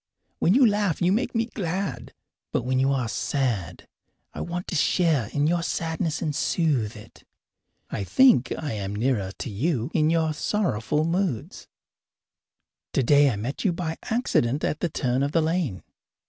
When you laugh you make me glad, but when you are sad I want to share in your sadness and soothe it. I think I am nearer to you in your sorrowful moods. Today I met you by accident at the turn of the lane.